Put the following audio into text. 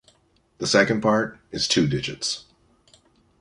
The second part is two digits.